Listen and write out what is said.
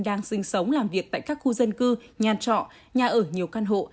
đang sinh sống làm việc tại các khu dân cư nhà trọ nhà ở nhiều căn hộ